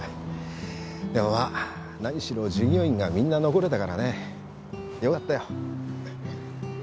でもまあ何しろ従業員がみんな残れたからね良かったよ。